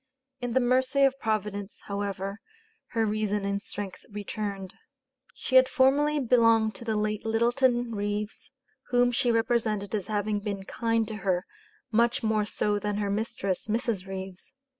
In the mercy of Providence, however, her reason and strength returned. She had formerly belonged to the late Littleton Reeves, whom she represented as having been "kind" to her, much more so than her mistress (Mrs. Reeves).